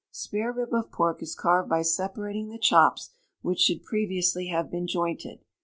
Spare rib of pork is carved by separating the chops, which should previously have been jointed.